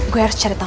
gue harus cari tau